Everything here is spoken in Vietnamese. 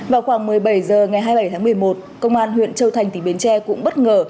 vào khoảng một mươi bảy h ngày hai mươi bảy tháng một mươi một công an huyện châu thành tỉnh bến tre cũng bất ngờ